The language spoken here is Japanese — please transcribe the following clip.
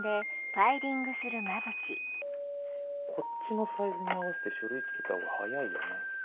こっちのサイズに合わせて書類作ったほうが早いよね。